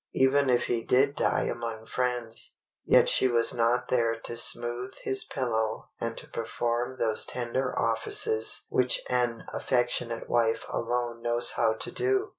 Even if he did die among friends, yet she was not there to smooth his pillow and to perform those tender offices which an affectionate wife alone knows how to do.